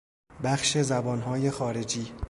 بخش زبانهای خارجی